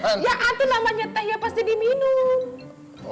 ya ada namanya teh ya pasti diminum